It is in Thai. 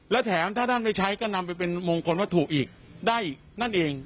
และแถมถ้าท่านไม่ใช้ก็นำไปเป็นมงคลวัตถุอีกได้อีกนั่นเอง